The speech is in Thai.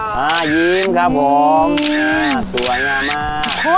มายิ้มครับผมสวยงามมาก